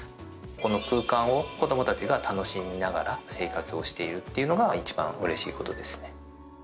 この空間を子どもたちが楽しみながら生活をしているっていうのが一番うれしいことですね。